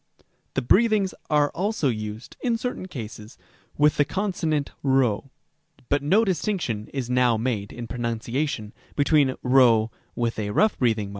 c. The breathings are also used, in certain cases, with the consonant p; but no distinction is now made, in pronunciation, between ῥ and ῥ.